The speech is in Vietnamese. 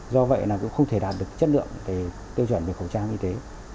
do vậy là cũng không thể đạt được chất lượng về tiêu chuẩn về khẩu trang y tế